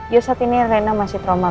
ya saat ini reina masih trauma